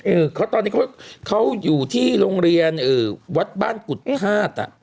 เออเขาตอนนี้เขาอยู่ที่โรงเรียนวัดบ้านกุฏภาษณ์